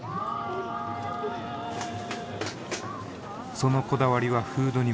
そのこだわりはフードにも。